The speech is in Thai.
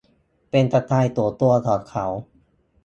เป็นสไตล์ส่วนตัวของเค้า